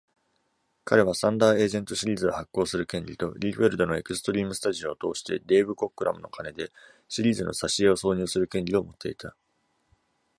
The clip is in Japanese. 彼は、T.H.U.N.D.E.R. エージェントシリーズを発行する権利と、リーフェルドのエクストリームスタジオを通して、デーブ・コックラムの金でシリーズの挿絵を挿入する権利を持っていた。